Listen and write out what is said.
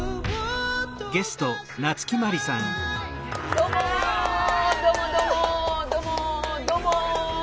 どうもどうもどうもどうもどうも。